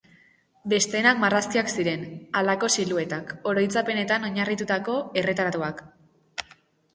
Besteenak marrazkiak ziren, halako siluetak, oroitzapenetan oinarritutako erretratuak.